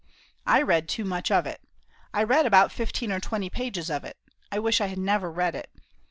I read too much of it. I read about fifteen or twenty pages of it. I wish I had never read it.